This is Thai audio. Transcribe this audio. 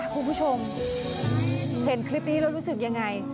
คุณผู้ชมเห็นคลิปนี้แล้วรู้สึกยังไง